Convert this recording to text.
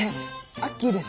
アッキーです。